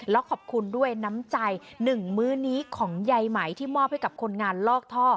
แล้วขอบคุณด้วยน้ำใจหนึ่งมื้อนี้ของยายไหมที่มอบให้กับคนงานลอกท่อ